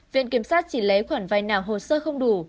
viện kiểm sát chỉ lấy khoản vay nào hồ sơ không đủ